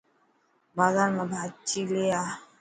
بازار مان ڀاچي لي آءِ.